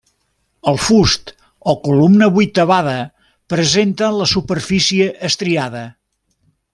El fust o columna vuitavada presenta la superfície estriada.